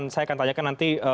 saya akan tanyakan nanti